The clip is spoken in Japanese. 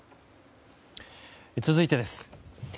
続いてです。